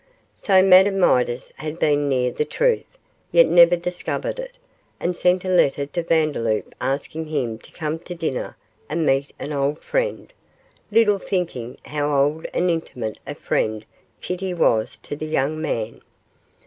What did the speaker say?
So Madame Midas had been near the truth, yet never discovered it, and sent a letter to Vandeloup asking him to come to dinner and meet an old friend, little thinking how old and intimate a friend Kitty was to the young man.